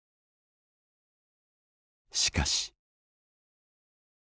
しかし。